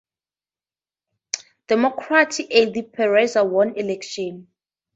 Democrat Eddie Perez won election.